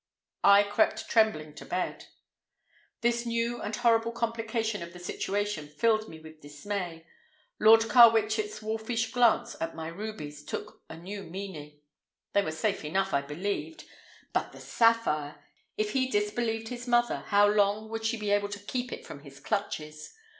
I crept trembling to bed. This new and horrible complication of the situation filled me with dismay. Lord Carwitchet's wolfish glance at my rubies took a new meaning. They were safe enough, I believed—but the sapphire! If he disbelieved his mother, how long would she be able to keep it from his clutches?